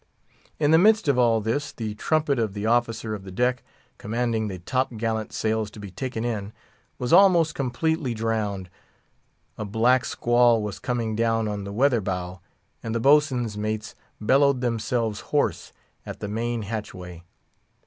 In the midst of all this, the trumpet of the officer of the deck, commanding the top gallant sails to be taken in, was almost completely drowned. A black squall was coming down on the weather bow, and the boat swain's mates bellowed themselves hoarse at the main hatchway.